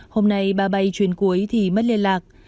hôm nay ba bay chuyến cuối thì mất liên lạc